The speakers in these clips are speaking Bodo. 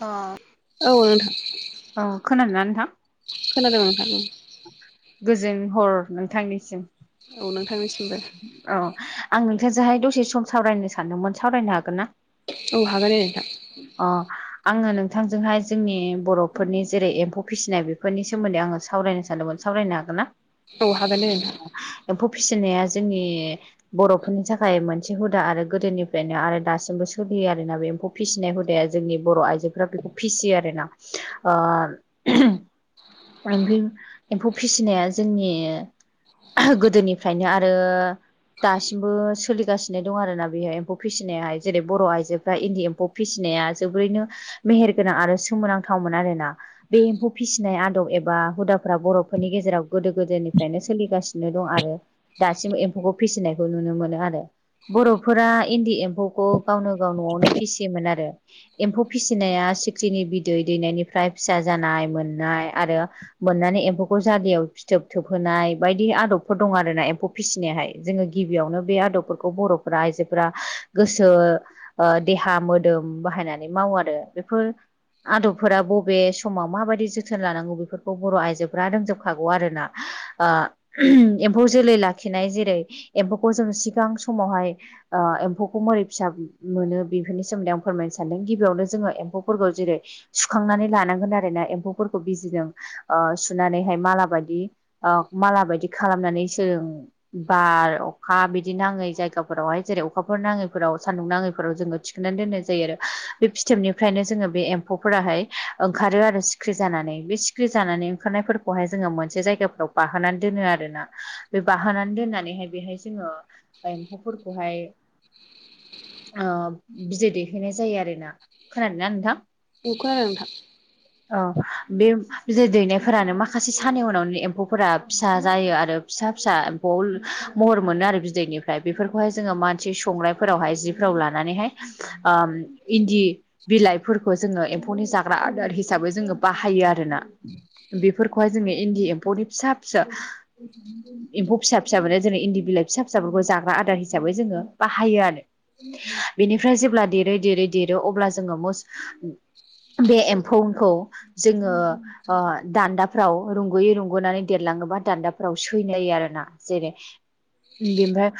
अ औ नोंथां औ खोनादोंना नोंथां? खोनादों नोंथां गोजोन हर नोंथांनिसिम औ नोंथांनिसिमबो औ आं नोंथोरजोंहाय दसे सम सावरायनो सानदोंमोन सावरायनो हागोन ना? औ हागोन दे नोंथां अ आङो नोंथांजोंहाय जोंनि बर' फोरफोरनि जेरै एम्फौ फिसिनाय बेफोरनि सोमोन्दै आङो सावरायायनो सानदोंमोन। सावरायनो हागोन ना? औ हागोन दे नोंथां एम्फौ फिसिनाया जोंनि बर'फोरनि थाखाय मोनसे हुदा आरो गोदोनिफ्रायनो आरो दासिमबो सोलियो आरोना बे एम्फौ फिसिनाय हुदाया जोंनि बर' आइजोफ्रा बेखौ फिसियो आरोना ओ एम्फौ फिसिनाया जोंनि गोदोनिफ्रायनो आरो दासिमबो सोलिगासिनो दं आरोना बेहाय एम्फौ फिसिनायाहाय जेरै बर' आइजोफ्रा इन्दि एम्फौ फिसिनाया जोबोरैनो मेहेर गोनां आरो सोमोनांथावमोन आरोना। बे एम्फौ फिसिनाय आदब एबा हुदाफ्रा बर'फोरनि गेजेराव गोदो गोदायनिफ्रायनो सोलिगासिनो दं आरो दासिम एम्फौखौ फिसिनायखौ नुनो मोनो आरो। बर'फोरा इन्दि एम्फौखौ गावनो गाव न'आवनो फिसियोमोन आरो एम्फौ फिसिनाया सिख्रिनि बिदै दैनायनिफ्राय फिसा जानाय मोननाय आरो मोननानै एम्फौखौ जलियाव फिथोब थोबहोनाय बायदि आदबफोर दं आरोना एम्फौ फिसिनायहाय जोङो गिबियावनो बे आदबफोरखौ बर'फ आइजोफोरा गोसो देहा मोदोम बाहायनानै मावो आरो बेफोर आदबफोरा ब बे समाव माबायदि जोथोन लानांगौ बेफोरखौ बर' आइजोफ्रा रोंजोबखागौ आरोना आ एम्फौ जोलै लाखिनाय जेरै एम्फौखौ जों सिगां समावहाय एम्फौखौ मोरै फिसा मोनो बेफोरनि सोमोन्दै आं फोरमायनो सानदों गिबियावनो जोङो एम्फौफोरखौ जेरै, सुखांनानै लानांगोन आरो ना एम्फौफोरखौ बिजिजों सुनानैहाय माला बायदि औ माला बायदि खालामनानैसो जों बार अखा बिदि नाङै जायगाफोरावहाय जेरै अखाफोर नाङैफोराव सान्दुं नाङैफोराव जोङो थिखोनानै दोननाय जायो आरो हो बे फिथोबनिफ्रायनो जोङो बे एम्फौफोराहाय ओ ओंखारो आरो सिखिरि जानानै बे सिखिरि जानानै ओंखारनायफोरखौहाय जोङो मोनसे जायगाफ्राव बाहोनानै दोनो आरोना बे बाहोनानै दोननानैहाय बेहाय जोङो एम्फौफोरखौहाय ओ बिदै दैहैनाय जायो आरोना खोनादोंना नोंथां औ खोनादों नोंथां औ हो बे बिदै दैनायफोरानो माखासे सानि उनावनो एम्फौफोरा फिसा जायो आरो फिसा फिसा बल महर मोनो आरो बिदैनिफ्राय बेफोरखौहाय जोङो मानसि संनायफोर फोरावहाय जिफोरावहाय लानानैहाय ओ इन्दि बिलाइफोरखौ जोङो एम्फौनि जाग्रा जाग्रा आदार हिसाबै जोङो बाहायो आरोना बेफोरखौहाय जोङो इन्दि एम्फौनि फिसा फिसा एम्फौ फिसा फिसाफोरनो जेरै इन्दि बिलाइ फिसा फिसाफोरखौ जाग्रा आदार हिसाबै जोङो बाहायो आरो हो बेनिफ्राय जेब्ला देरै देरै देरो अब्ला जोङो मोस बे एम्फौखौ जोङो ओ दान्दाफ्राव रुंग'यै रुंगुनानै देरलाङोबा दान्दाफ्राव सैलायो आरो ना जेरै बेनिफ्राय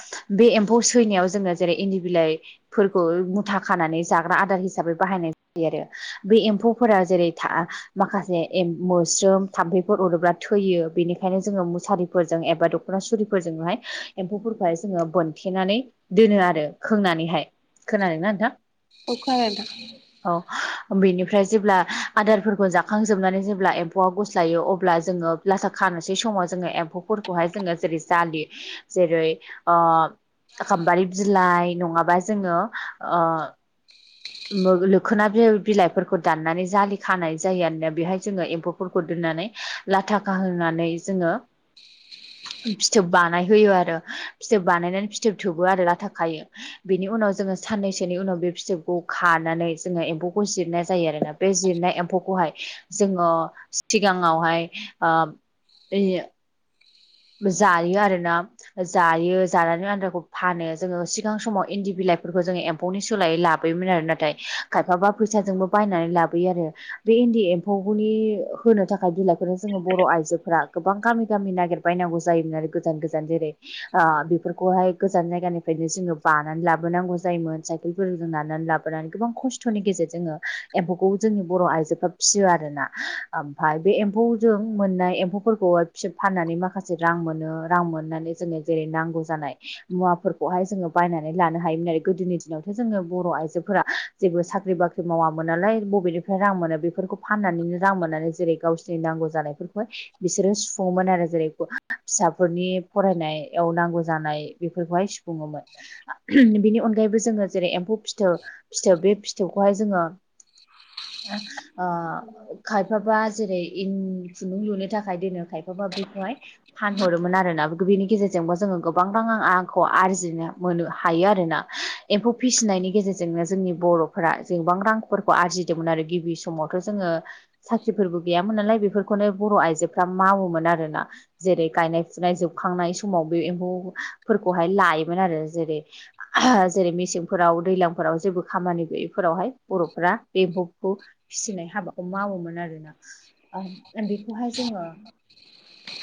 बे एम्फौ सैनायाव जोङो जेरै इन्दि बिलाइ फोरखौ मुथा खानानै जाग्रा आदार हिसाबै बाहायनाय जायो आरो ओ बे एम्फौफोरा जेरै था माखासे एम मोस्रोम थाम्फैफोर अरोब्ला थैयो बेनिखायनो जोङो मुसारिफोरजों एबा दख'ना सुरिफोरजोंहाय हो एम्फौफोरखौहाय जोङो बोन थेनानै दोनो आरो खोंनानैहाय खोनादोंना नोंथां औ खोनादों नोंथां औ हो बेनिफ्राय जेब्ला हो आदारफोरखौ जाखांजोबनानै जेब्ला एम्फौआ गुस्लायो अब्ला जोङो लाथा खानोसै समाव जोङो एम्फौफोरखौहाय जोङो जेरै जालि जेरै ओ गाम्बारि बिलाइ नङाबा जोङो ओ मो लोखोना बिल बिलाइफोरखौ दाननानै जालि खानाय जायो आरोना बेहाय जोङो एम्फौफोरखौ दोननानै ओह लाथाखाहोनानै जोङो फिथोब बानायहोयो आरो फिथोब बानायनानै फिथोब थोबो आरो लाथा खायो हो बिनि उनाव जोङो साननैसोनि उनाव बे फिथोबखौ खानानै जोङो एम्फौ एम्फौखौहाय जिरनाय जायो आरोना बे जिरनाय एम्फौखौहाय जोङो सिगाआवहाय ओ ओइओ जायो आरो ना जायो जानानै आद्राखौ फानो जोङो सिगां समाव इन्दि बिलाइफोरखौ जोङो एम्फौ एम्फौनि सोलायै लाबोयोमोन आरो नाथाय खायफाबा फैसाजोंबो बायनानै लाबोयो आरो बे इन्दि एम्फौनि होनो थाखाय बिलाइफोरखौ जोङो बर' आइजोफोरा गोबां गामि गामि नागिर बायनांगौ जायोमोन आरो गोजान गोजान जेरै ओ बेफोरखौहाय गोजान जायगानिफायनो जोङो बानानै लाबोनांगौ जायोमोन साइकेलफोरजों नारनानै लाबोनानै गोबां खस्थ' खथ'नि गेजेरजोंङो एम्फौखौ जोंनि बर' आइजोफ्रा फिसियो आरोना आमफाय बे एम्फौ जों मोननाय एम्फौफोरखौ फिसोर फाननानै माखासे माखासे रां मोनो रां मोननानै जोङो जेरै नांगौ जानाय मुवाफोरखौहाय जोङो फा बायनानै लानो हायोमोन आरो गोदोनि दिनावथ' जोङो बर' आइजोफोरा हो जेबो साख्रि बाख्रि मावामोन नालाय बबेनिफ्राय रां मोनो बेफोरखौ फाननानैनो रां मोननानै जेरै गावसिनि नांगौ जानायफोरखौहाय बिसोरो सुफुंओमोन आरो जेरै फिसाफोरनि फरायनायाव नांगौ जानाय बेफोरखौहाय सुफुं बुङोमोन ओम बिनि अनगायैबो जोङो जेरै एम्फौ फिथो फिथोब बे फिथोबखौहाय जोङो ओ खायफाबा जेरैन खुन्दुं लुनो थाखाय दोनो खायफाबा बेैखौहाय फानहरोमोन आरोना बेनि गेजेरजोंबो जोङो गोबां रां आंखौ आरजिनो मोनो हायो आरोना। एम्फौ फिसिनायनि गेजेरजोंनो जोंनि बर'फोरा जेबां रांफोरखौ आरजिदोंमोन आरो गिबि समाव थ' जोङो साख्रिफोरबो गैयामोन नालाय बेफोरखौनो बर' आइजोफ्रा मावोमोन आरोना। जेरै गायनाय फुनाय जोबखांनाय समाव बे एम्फौफोरखौहाय लायोमोन आरो जेरै जेरै मेसेंफोराव दैज्लांफोराव जेबो खामानि गैयैफोरावहाय बर'फ्रा बे एम्फौ खौ फिसिनाय हाबाखौ मावोमोन आरोना बेखौहाय जोङो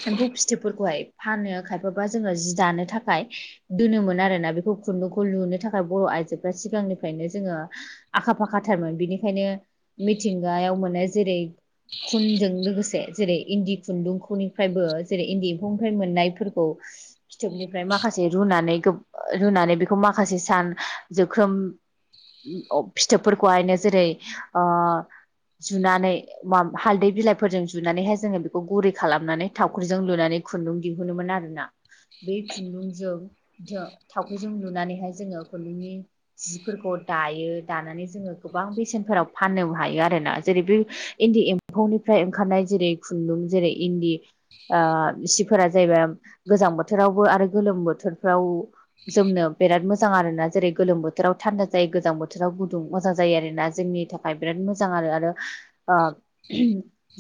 एम्फौ फिथोबफोरखौहाय फानो खायफाबा जोङो जि दानो थाखाय दोनोमोन आरोना बेखौ खुन्दुंखौ लुनो थाखाय बर' आइजोफ्रा सिगांनिफ्रायनो जोङो आखा फाखाथारमोन बिनिखायनो मिथिंगायाव मोनो जेरै खुनजों लोगोसे जेरै इन्दि खुन्दुंखौनि फ्रायबो जेरै इन्दि एम्फौनिफ्राय मोननायफोरखौ फिथोबनिफ्राय माखासे रुनानै रुनानै बेखौ माखासे सान जोख्रोम फिथोबफोरखौहायनो जेरै ओ जुनानै हालदै बिलाइफोरजों जुनानैहाय जोङो बेखौ गुरै खालामनानै थावख्रिजों लुनानै खुन्दुं दिहुनोमोन आरोना। बे खुन्दुंजों थावख्रिजों लुनानैहाय जोङो खुन्दुंनि जिफोरखौ दायो दानानै जोङो गोबां बेसेनफोराव फाननोबो हायो आरोना जेरै बे इन्दि ए एम्फौनिफ्राय ओंखारनाय जेरै खुन्दुं जेरै इन्दि ओ सिफोरा जाहैबाय गोजां बोथोरावबो आरो गोलोम बोथोरफ्राव जोमनो बिराद मोजां आरोना जेरै गोलोम बोथोराव थान्दा जायो गोजां बोथोराव गुदुं मोजां जायो आरोना जोंनि था खाय बिराद मोजां आरो आरो ओ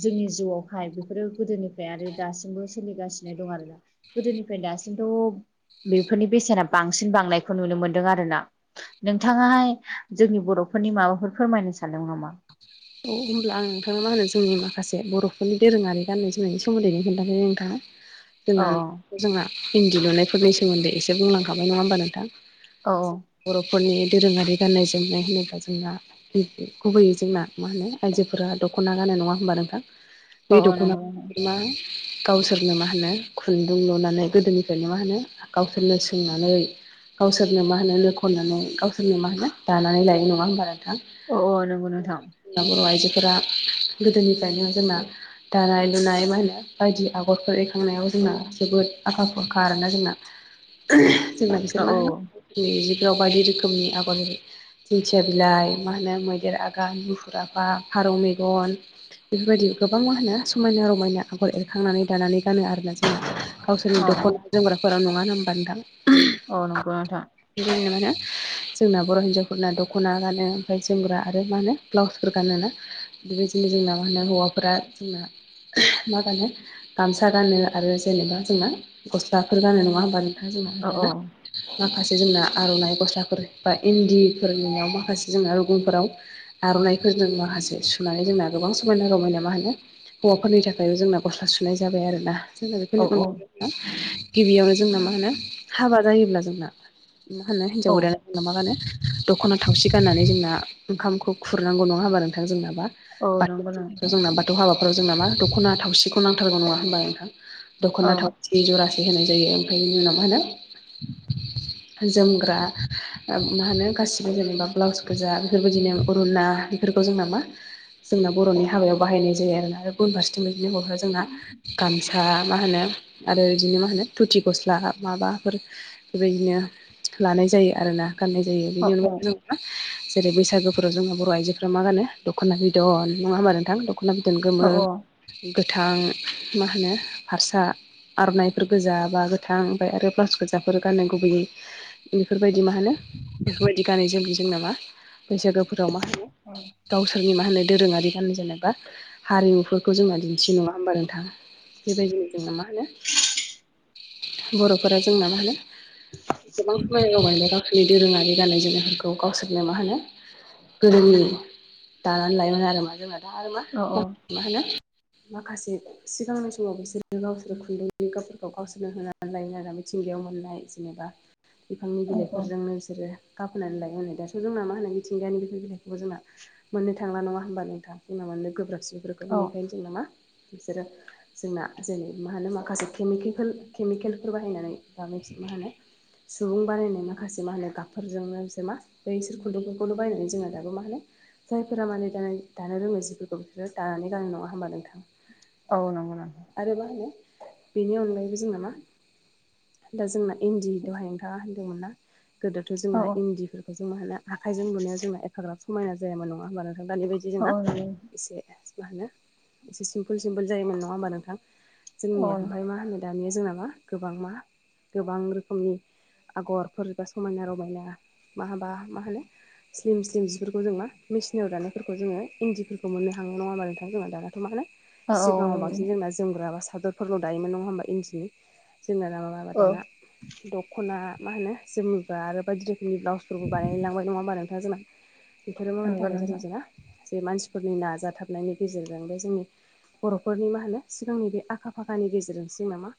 जोंनि जिउआवहाय बेफोरो गोदोनिफ्राय आरो दासिमबो सोलिगासिनो दं आरोना गोदोनिफ्राय दासिमथ' बेफोरनि बेसेना बांसिन बांनायखौ नुनो मोनदों आरोना। नोंथाङाहाय जोंनि बर'फोरनि माबाफोर फोरमायनो सानदों नामा? औ होनोमब्ला आं नोंथांनो मा होनो जोंनि माखासे बर'फोरनि दोरोङारि गाननाय जोमनायनि सोमोन्दैनो खिथासै नोंथां [inaudible] जोंना जोंहा इन्दि लुनायफोरनि सोमोन्दै एसे बुंलांखाबाय नङा होमबा नोंथां? औ बर'फोरनि दोरोङारि गाननाय जोमनाय होनोब्ला जोंना गुबैै जोंना मा होनो आइजोफोरा दख'ना गानो नङा होनोमबा नोंथां औ बे औ दख'ना नंगौ मा गावसोरनो मा होनो खुन्दुं लुनानै गोदोनिफ्रायनो मा होनो गावसोरनो सोंनानै गावसोरनो मा होनो नो खननानै गावसोरनो मा होनो दानानै लायो नङा होनबा नोंथां? औ ओ नंगौ नोंथां। बर' आइजोफोरा गोदोनिफ्रायनो जोंना दानाय लुनाय मा होनो बायदि आगरफोर एरखांनायाव जोंना जोबोद आखा फरखा आरोना जोंना। [inaudible] जोंना औ बिसोर मा औ होनो जों जिफोराव बायदि रोखोमनि आगर एरो दिंखिया बिलाइ मा होनो मैदेर आगान मु फुर आफा फारौ मेगन बेफोरबायदि गोबां मा होनो समायना रमायना आगर एरखांनानै दानानै गानो आरोना जों औ गावसोरनि दख'ना जोमग्राफोरा नङा ना होमबा नोंथां? अ नंगौ नोंथां बेबायनो मा होनो जोंना बर' हिन्जावफोरना दख'ना गानो ओमफ्राय जोमग्रा आरो मा होनो ब्लाउसफोर गानोना बेबायदिनो जोंना मा होनो हौवाफोरा जोंना मा गानो गामसा गानो आरो जेनेबा जोंना गस्लाफोर गानो नङा होमबा औ नों [unintelligible] माखासे जोंना आर'नाइ गस्लाफोर बा इन्दिफोरनियाव माखासे जोंना रुगुनफोराव आर'नाइखौ जों माखासे सुनानै जोंना गोबां समायना रमायना मा होनो हौवाफोरनि थाखायबो जोंना गस्ला सुनाय जाबाय आरो ना। जोंना औ बेफोरनि औ अनगायै मा गिबियावनो जोंना मा होनो हाबा जायोब्ला जोंना मा होनो हिनजाव गोदाना जोंना मा गानो दख'ना थावसि गाननानै जोंना ओंखामखौ खुरनांगौ नङा होमबा नोंथां जोंनाबा औ नंगौ बाथौ नोंथां जों बाथ बाथौ हाबाफोराव जोंनाामा दख'ना थावसिखौ नांथारगौ नङा होनबा नोंहा औ दख'ना थाव जि जरासे होनाय जायो ओमफ्राय बेनि उनाव मा होनो जोमग्रा मा होनो गासिबो जेनेबा ब्लाउस गोजा बेफोरबायदिनो बरुना बेफोरखौ जोंना मा जोंना बर'नि हाबायाव बाहायनाय जायो आरोना। इउनिभारसिटि बिदिनो हरो जोंना गामि फोथा मा होनो आरो बिदिनो मा होनो धुथि गस्ला माबाफोर बेबायदिनो लानाय जायो आरोना गाननाय जायो औ बेनि अनाव जों जेरै बैसागो जों जोंङो बर' आइजोफ्रा मा गानो दख'ना बिदन नङा होनोबा नोंथां दख'ना बिदन औ गोमो गोथां मा होनो हारसा आर'नाइफोर गोजा बा गोथां ओमफ्राय आरो ब्लाउस गोजाफोर गाननाय गुबैयै बेफोरबायदि मा होनो बेफोरबायदि गानै जोमै जोंना मा बैसागु फोराव मा होनो गावसोरनि मा होनो दोरोङारि गाननाय जोमनायफ्रा हारिमुफोरखौ जोंना दिन्थि नङा होमबा नोंथां? बेबायदिनो जोंना मा होनो बर'फोरा जोंना मा होनो गोबां खामानि मावबाय दङ गावसोरनि दोरोङारि गाननाय जोमनायफोरखौ गावसोरनो मा होनो गोदोनि दानानै लायोमोन आरो मा जोंना दा आरो मा औ मा होनो माखासे सिगांनि समाव बिसोरो गावसोर खुन्दैफोरखौ गावसोरनो होनानै लायो आरो मिथिंगायाव मोननाय जेनेबा बिफांनि बिलाइफोरजोंनो बिसोरो गफोनानै लायो नै दाथ' जोंना मा होनो मिथिंगानि बि बे बिलाइखौबो जोंना मोननो थांला नङा होमबा नोंथाङा बुंना मोननो गोब्राबसिनफोरखौ औ बेखायनो दं नामा बिसोरो जोंना जेरै मा होनो माखासे केमिकेल फोर केमिकेलफोर बाहायनानै दा मा होनो सुबुं बानायायनाय माखासे मा होनो गाबफोरजोंनो मा बे इसोर खुन्दुंफोरखौनो बायनानै जोंना दाबो मा होनो जायफोरा माने दा दानो रोङो जिफोरखौ बिसोरो दानानै गानो नङा होमबा नोंथां। औ नंगौ नोंथां आरो मा होनो बेनि अनगायैबो जोंहा मा दा जोंना इन्दि दहाय नोंथाङा होनदोंमोन ना गोदोथ' औ जोंना इन्दिफोरखौ आखाइजों मा होन आखाइजों लुनायाव जोंङ एफाग्राब समायना जायाबोन नङा होमबा नों दानि बायदि औ जोंना औ नंगौ एसे मा होनो एसे सिमपोल सिमपोल जायोमोन नङा होमबा नोंथां औ जोंनिया ओमफ्राय मा होनो दानिया जोंना मा गोबां मा गोबां रोखोमनि आगरफोरबो समायना रमायना मा हाबा मा होनो स्लिम स्लिम जिफोरखौ जों मा मेसिनाव दानायफोरखौ जोङो इन्दिफोरखौ मोननो हाङ नङा होनोमा नोंथां जोंहा दानाथ' मा होनो औ औ सिगाङाव बांसिन नंगौ जोंना जोमग्रा बा सादरफोरल' दायोमोन नङा होमबा इन्दिनि जोंना ना माबा माबा औ दाना दख'ना मा होनो जोमनिब्रा आरो बायदि रोखोम जोंनि ब्लाउसफोरखौ बानायलांबाय नङा होमबा नोंथां जोंना बेफोरो मानि नंगौ थाखाय जादों नोंथां। जोंना जे मानसिफोरनि नाजाथाबनायनि गेजेरजों बे जोंनि बर'फोरनि मा होनो सिगांनि बे आखा फाखानि गेजेरजोंसो नामा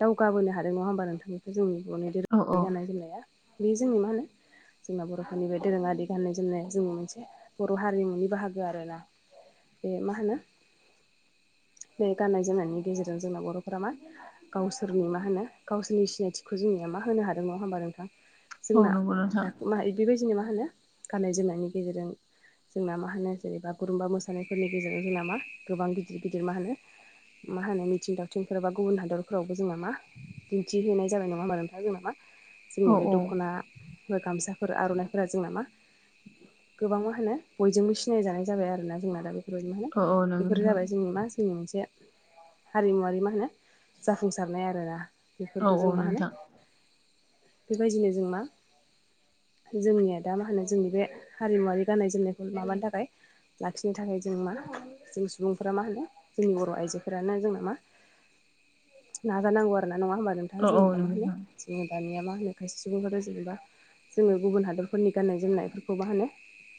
दावगाबोनो हादों नङा होमबा नोंथांमोन। जोंनि बर'नि औ औ दोरोङारि गाननाय जोमनाया बे जोंनि मा होनो जोंना बर'फोरनि बे दोरोङारि। बि गाननाय जोमनाय जों मोनसे बर' हारिमुनि बाहागो आरो ना। बे मा होनो बे गाननाय जोमनायनि गेजेरजों जोंना बर'फोरा मा गावसोरनि मा होनो गावसोरनि सिनायथिखौ जोंनिया मा होनो हादों नङा होमबा नोंथां। औ जोंना नंगौ नोंथां द मा बेबायदिनो मा होनो गाननाय जोमनायनि गेजेरजों जोंना मा होनो जेरै बागुरुम्बा मोसानायफोरनि गेजेरजों हो नामा गोबां गिदिर गिदिर मा होनो मा होनो मिथिं दावथिंफोर बा गुबुन हादरफोरावबो जोङो मा दिन्थिहोनाय जाबाय नङा होनबा नोंथां जों नामा जोंनि औ बे औ दख'ना बा गामसाफोर आर'नाइफोरा जोंना मा गोबां मा होनो बयजोंबो सिनाय जानाय जाबाय आरो ना जोंना दा बे औ औ [unintelligible] नंगौ बेफोर नोंथां जाबाय माजोंनि मा जोंनि मोनसे हारिमुवारि मा होनो जाफुंसारनाय आरोना औ बेफोरखौ जों औ मा होनो नोंथां बेबायदिनो जों मा जोंनिया दा मा होनो जोंनि बे हारिमुवारारि गाननाय जोमनायखौ माबानो थाखाय लाखिनो थाखाय जों मा जों सुबुंफोरा मा होनो जोंनि बर' आइजोफोरानो जोंना मा नाजा नांगौ आरो ना नंङा होमबा नों औ औ जोंनिया मा नंगौ होनो नोंथां जोङो दानिया मा होनो खायसे सुबुंफोरा जेनेबा जोङो गुबुन हादरफोरनि गाननाय जोमनायफोरखौ मा होनो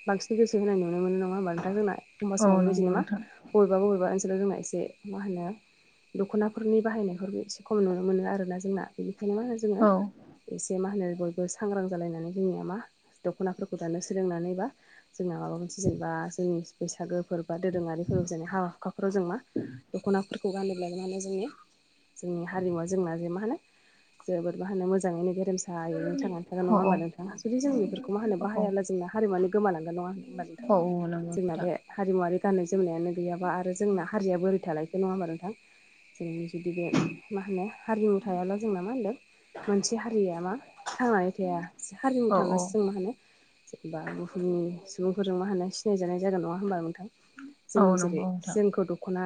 बांसिन गोसो होनाय नुनो मोनो नङा होमबा नोंथां जोंना एखमब औ समाव नंगौ बेबायदि मा नोंथां बबेबा बबेबा ओनसोलाव जोंना एसे मा होनो दख'नाफोरनि बाहायनायफोरबो एसे खम नुनो मोनो आरोना जोंना बेनिखायनो मा औ जोङो एसे मा होनो बयबो सांग्रां जालायनानै जोंनिया मा दख'नाफोरखौ दानो सोलोंनानै बा जोंना माबा मोनसे जेनेबा जोंनि बैसागो फोर बा दोरोङारिफोराव जेने हा हुाखाफोराव जों मा दख'नाफोरखौ गानोब्ला माने जोंनि जोंनि हारिमुवा जोंना जे मा होनो जोबोद मा होनो मोजाङैनो गेरमसा जायो थांनान थागोन औ नङा औ होमबा नोंथा जुदि जों बेफोरखौ मा होनो औ बाहायखब्ला जोंना हारिमुवानो गोमालांगोन नङा होनबा औ औ नोंथां। नंगौ जोंना नोंथां बे हारिमुवारि गाननाय जोमनायानो गैयाबा आरो जोंना हारिया बोरै थालायखो नङा होनोमबा नोंथां। जों जुदि बे मा होनो हारिमु थायाब्ला जोंना मा होनदों मोनसे हारिया मा थांनानै थाया हारिमु औ औ थाब्लासो मा होनो जेनबा बुहुमनि सुबुंफोरजों मा होनो सिनायजानाय जागोन नङा होमबा नोंथां। औ जों जेरै नंगौ नोंथां जोंखौ दख'ना